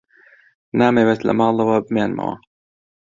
نامەوێت لە ماڵەوە بمێنمەوە.